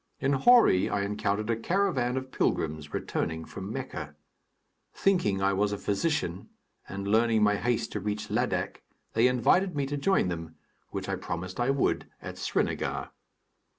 In Hori I encountered a caravan of pilgrims returning from Mecca. Thinking I was a physician and learning my haste to reach Ladak, they invited me to join them, which I promised I would at Srinagar.